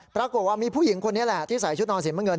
ปรากฏว่ามีผู้หญิงคนนี้แหละที่ใส่ชุดนอนสีน้ำเงิน